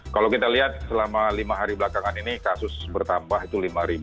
kalau kita lihat selama lima hari belakangan ini kasus bertambah itu lima